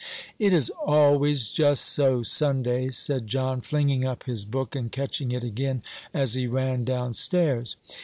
"It is always just so Sundays," said John, flinging up his book and catching it again as he ran down stairs.